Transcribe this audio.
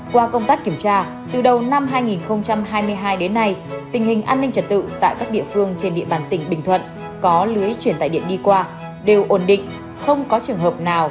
qua công tác kiểm tra từ đầu năm hai nghìn hai mươi hai đến nay tình hình an ninh trật tự tại các địa phương trên địa bàn tỉnh bình thuận có lưới chuyển tại điện đi qua đều ổn định